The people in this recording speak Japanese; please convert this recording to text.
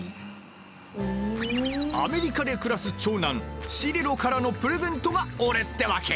アメリカで暮らす長男シリロからのプレゼントが俺ってわけ。